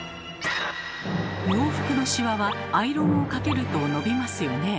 洋服のシワはアイロンをかけると伸びますよね。